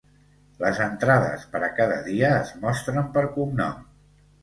Les entrades per a cada dia, es mostren per cognom.